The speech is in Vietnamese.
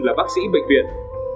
là bác sĩ bệnh viện